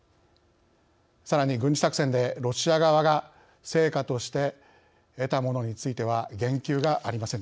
さらに軍事作戦でロシア側が「成果」として得たものについては言及がありませんでした。